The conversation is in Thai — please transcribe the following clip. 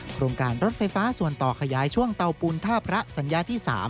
โครงการรถไฟฟ้าส่วนต่อขยายช่วงเตาปูนท่าพระสัญญาที่๓